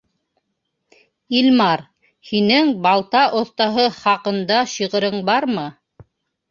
Илмар, һинең балта оҫтаһы хаҡында шиғырың бармы?